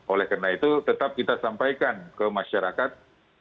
oleh karena itu tetap kita sampaikan ke masyarakat